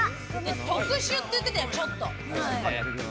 特殊って言ってたよ、ちょっと。